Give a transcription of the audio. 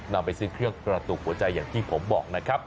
นำไปซื้อเครื่องกระตุกหัวใจอย่างที่ผมบอกนะครับ